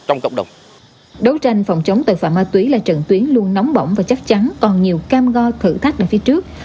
trong cộng đồng đấu tranh phòng chống tội phạm ma túy là trận tuyến luôn nóng bỏng và chắc chắn còn nhiều cam go thử thách ở phía trước